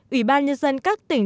hai ủy ban nhân dân các tỉnh